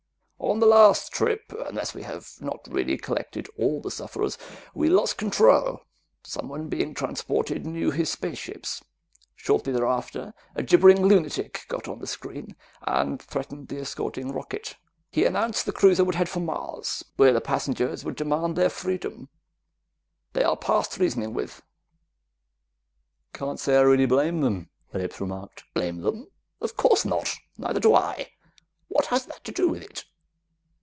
"On the last trip unless we have not really collected all the sufferers we lost control. Someone being transported knew his spaceships. Shortly thereafter, a gibbering lunatic got on the screen and threatened the escorting rocket. He announced the cruiser would head for Mars, where the passengers would demand their freedom. They are past reasoning with." "Can't say I really blame them," Phillips remarked. "Blame them? Of course not! Neither do I. What has that to do with it?